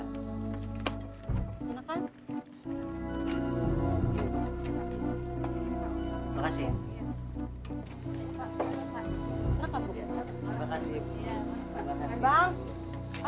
terima kasih pak